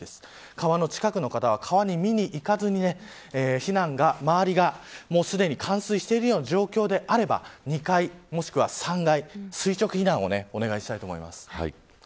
川の近くの方は川に見に行かずに避難が周りが冠水しているような状況であれば、２階もしくは３階垂直避難をお願いしたいです。